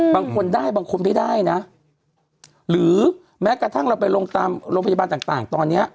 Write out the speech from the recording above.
บางคนได้บางคนไม่ได้นะหรือแม้กระทั่งเราไปลงตามโรงพยาบาลต่างตอนนี้